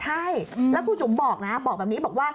ใช่แล้วครูจุ๋มบอกนะบอกแบบนี้บอกว่า